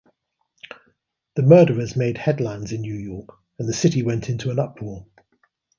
The murders made headlines in New York and the city went into an uproar.